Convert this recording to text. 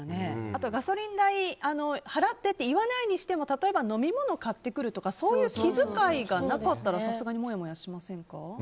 あと、ガソリン代を払ってって言わないにしても例えば飲み物買ってくるとかそういう気遣いがなかったらさすがにもやもやしませんか？